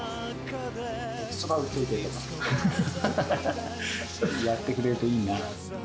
そば打っておいてーとか、やってくれるといいな。